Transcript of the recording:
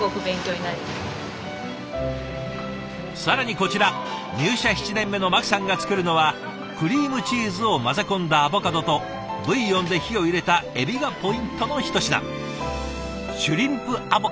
更にこちら入社７年目の牧さんが作るのはクリームチーズを混ぜ込んだアボカドとブイヨンで火を入れたエビがポイントのひと品。